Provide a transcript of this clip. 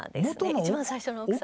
一番最初の奥様。